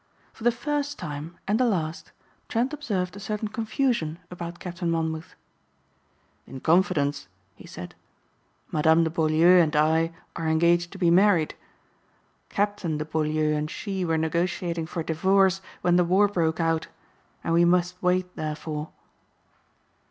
For the first time, and the last, Trent observed a certain confusion about Captain Monmouth. "In confidence," he said, "Madame de Beaulieu and I are engaged to be married. Captain de Beaulieu and she were negotiating for divorce when the war broke out and we must wait therefore."